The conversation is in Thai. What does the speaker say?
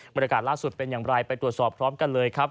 บรรยากาศล่าสุดเป็นอย่างไรไปตรวจสอบพร้อมกันเลยครับ